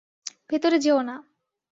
ভেতরে যেও না!